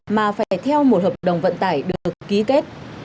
mà phải theo một hợp đồng vận tải được ký kết